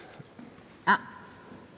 あっ